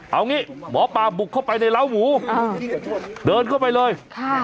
เอางี้หมอปลาบุกเข้าไปในร้าวหมูเดินเข้าไปเลย